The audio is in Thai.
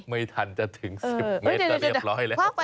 ไม่ทันจะถึง๑๐เมตรก็เรียบร้อยแล้ว